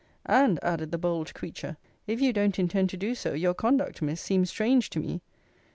And, added the bold creature, if you don't intend to do so, your conduct, Miss, seems strange to me.